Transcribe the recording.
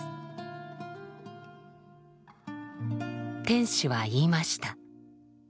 天使は言いました。